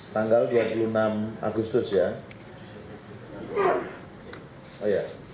tanggal dua puluh enam agustus ya